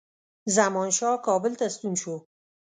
زمانشاه کابل ته ستون شو.